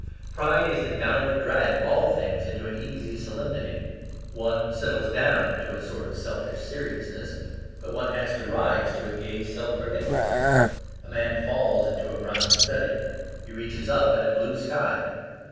Pride is the downward drag of all things into an easy solemnity. One "settles down" into a sort of selfish seriousness; but one has to rise to a gay self forgetfulness. A man "falls" into a brown study; he reaches up at a blue sky.